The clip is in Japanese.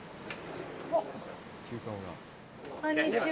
こんにちは。